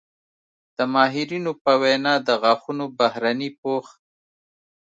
د ماهرینو په وینا د غاښونو بهرني پوښ